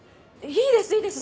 いいですいいです